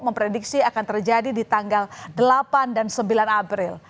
memprediksi akan terjadi di tanggal delapan dan sembilan april